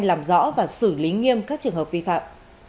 làm rõ và xử lý nghiêm các trường hợp vi phạm